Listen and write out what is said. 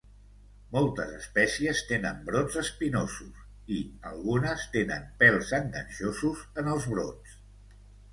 Moltes espècies tenen brots espinosos i, algunes, tenen pels enganxosos en els brots.